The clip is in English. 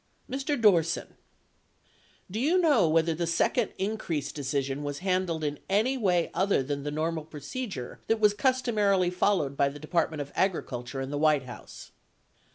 Mr. Dorsen. Do you know whether the second increase deci sion was handled in any way other than the normal procedure that was customarily followed by the Department of Agricul ture and the White House?